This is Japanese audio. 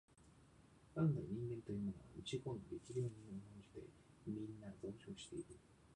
元来人間というものは自己の力量に慢じてみんな増長している